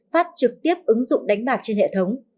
phát trực tiếp ứng dụng đánh bạc trên hệ thống